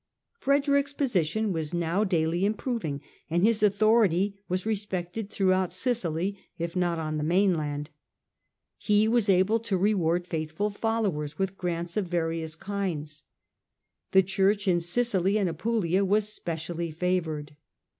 Frede rick's position was now daily improving and his authority was respected throughout Sicily, if not on the mainland. He was able to reward faithful followers with grants of various kinds. The Church in Sicily and Apulia was specially favoured.